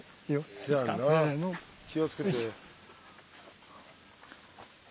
気を付けて。